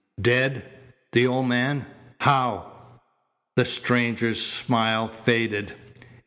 "Dead! The old man! How " The stranger's smile faded.